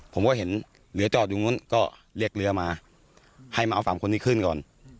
ผมก็เห็นเรือจอดอยู่นู้นก็เรียกเรือมาให้มาเอาฝั่งคนนี้ขึ้นก่อน